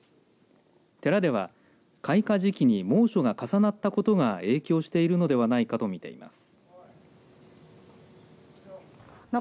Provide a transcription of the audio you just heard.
寺では開花時期に猛暑が重なったことが影響しているのではないかと見ています。